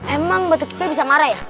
emang batu kecil bisa marah ya